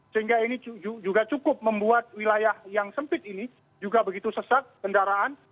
sehingga ini juga cukup membuat wilayah yang sempit ini juga begitu sesat kendaraan